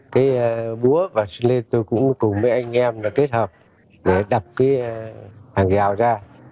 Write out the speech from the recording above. cái búa và xe lê tôi cũng cùng mấy anh em kết hợp để đập cái hàng rào ra